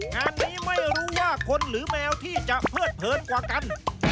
งานนี้ไม่รู้ว่าคนหรือแมวที่จะเพิดเผินกว่ากัน